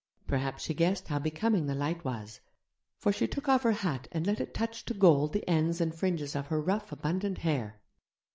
Perhaps she guessed how becoming the light was, for she took off her hat and let it touch to gold the ends and fringes of her rough abundant hair.